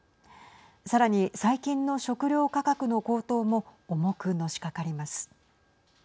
さらに、最近の食糧価格の高騰も重く、のしかかります。